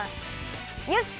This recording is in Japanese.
よし！